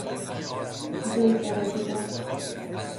دلزده بودن